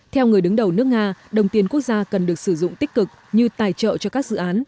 theo người đứng đầu nước nga đồng tiền quốc gia cần được sử dụng tích cực như tài trợ cho các dự án